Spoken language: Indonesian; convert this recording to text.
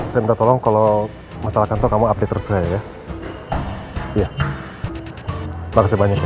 saya minta tolong kalau masalahkan to kamu update terus aja ya ya makasih banyak ya